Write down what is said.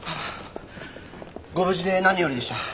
ご無事で何よりでした。